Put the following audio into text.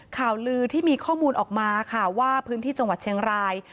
ข่าวลือที่มีข้อมูลออกมาค่ะว่าพื้นที่จังหวัดเชียงราย